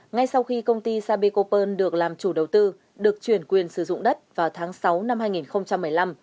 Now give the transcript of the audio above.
ngay sau khi công ty sabicopearl được làm chủ đầu tư được chuyển quyền sử dụng đất vào tháng sáu năm hai nghìn một mươi năm